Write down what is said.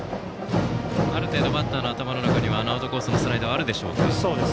ある程度バッターの頭の中にはあのアウトコースのスライダーがあるでしょうか。